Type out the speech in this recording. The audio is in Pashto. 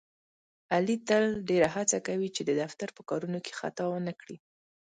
علي تل ډېره هڅه کوي، چې د دفتر په کارونو کې خطا ونه کړي.